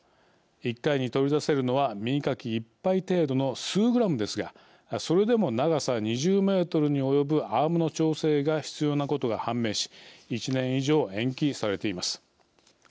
１回に取り出せるのは耳かき１杯程度の数グラムですがそれでも長さ２０メートルに及ぶアームの調整が必要なことが判明し１年以上、延期されています。